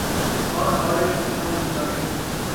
ہاڑھ ہاڑے تے ساوݨ چارے